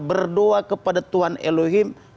berdoa kepada tuhan elohim